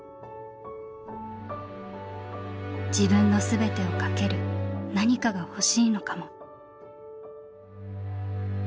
「自分の全てを賭ける何かがほしいのかも」。